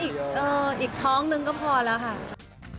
จริงแล้วแค่อีกท้องหนึ่งก็พอแล้วค่ะ